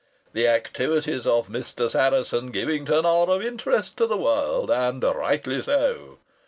The activities of Mr. Saracen Givington are of interest to the world, and rightly so!